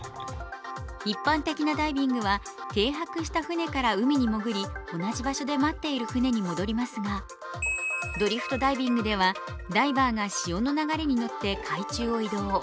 一般的なダイビングは停泊した船から海に潜り同じ場所で待っている船に戻りますが、ドリフトダイビングではダイバーが潮の流れに乗って海中を移動。